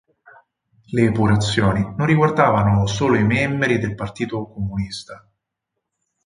Le epurazioni non riguardavano solo i membri del Partito comunista.